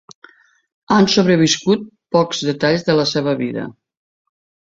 Han sobreviscut pocs detalls de la seva vida.